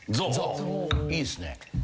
いいっすね。